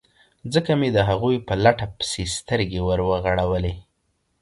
ځکه مې د هغوی په لټه پسې سترګې ور وغړولې.